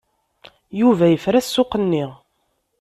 Yuba yefra ssuq-nni.